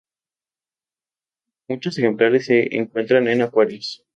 Muchos ejemplares se encuentran en acuarios.